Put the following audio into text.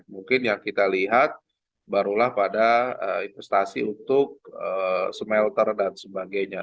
mungkin yang kita lihat barulah pada investasi untuk smelter dan sebagainya